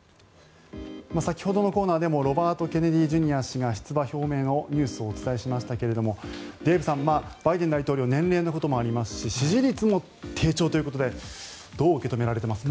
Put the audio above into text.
先ほどのコーナーでもロバート・ケネディ・ジュニア氏が出馬表明のニュースをお伝えしましたがデーブさん、バイデン大統領年齢のこともありますし支持率も低調ということでどう受け止められていますか？